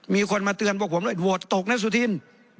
มีคนมาเตือนพวกผมด้วยโหวตตกนะสุธิน